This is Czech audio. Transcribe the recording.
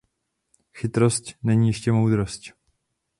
Chytrosť není ještě moudrosť.